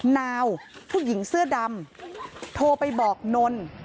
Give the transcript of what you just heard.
นาวผู้หญิงเสื้อดำโทรไปบอกนน